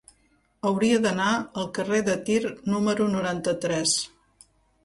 Hauria d'anar al carrer de Tir número noranta-tres.